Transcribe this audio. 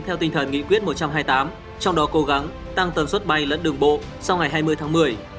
theo tinh thần nghị quyết một trăm hai mươi tám trong đó cố gắng tăng tần suất bay lẫn đường bộ sau ngày hai mươi tháng một mươi